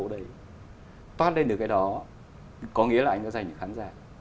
ở đây toát lên được cái đó có nghĩa là anh có dành cho khán giả